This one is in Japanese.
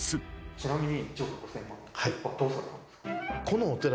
ちなみに。